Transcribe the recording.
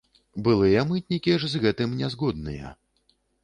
Былыя мытнікі ж з гэтым не згодныя.